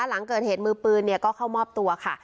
หลังเกิดเหตุมือปืนก็เข้ามอบตัวค่ะ